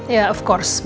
ya tentu saja